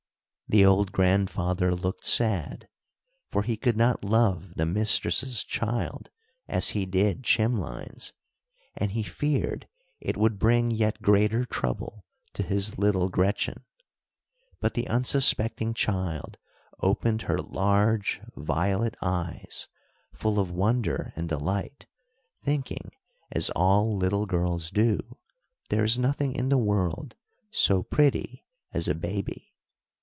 The old grandfather looked sad, for he could not love the mistress's child as he did Chimlein's, and he feared it would bring yet greater trouble to his little Gretchen. But the unsuspecting child opened her large violet eyes full of wonder and delight, thinking, as all little girls do, there is nothing in the world so pretty as a baby.